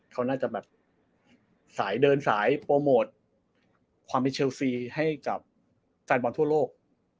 เขาน่าจะแบบสายเดินสายโปรโมทความเป็นเชลซีให้กับแฟนบอลทั่วโลก